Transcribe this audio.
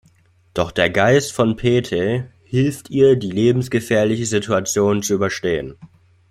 Doch der Geist von Pete hilft ihr, die lebensgefährliche Situation zu überstehen.